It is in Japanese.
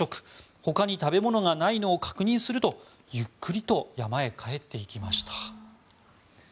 ほかに食べ物がないのを確認するとゆっくりと山へ帰っていきました。